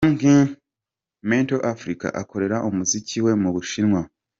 Mento Africa akorera umuziki we mu Bushinwa.